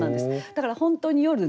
だから本当に夜ね